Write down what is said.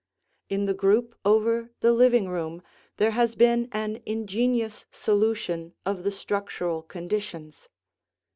In the group over the living room there has been an ingenious solution of the structural conditions.